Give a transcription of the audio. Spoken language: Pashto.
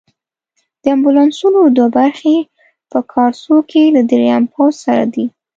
د امبولانسونو دوه برخې په کارسو کې له دریم پوځ سره دي.